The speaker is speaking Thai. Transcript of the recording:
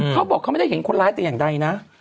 เขาบอกเขาไม่ได้เห็นคนร้ายแต่อย่างใดนะ